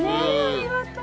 ありがとう。